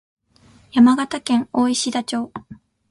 山形県大石田町